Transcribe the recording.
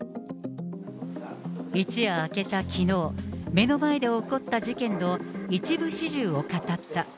一夜明けたきのう、目の前で起こった事件の一部始終を語った。